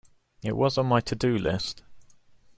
It was on my to-do list.